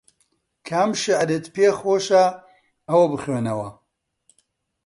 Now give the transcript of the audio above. کام شیعرت پێ خۆشە ئەوە بخوێنەوە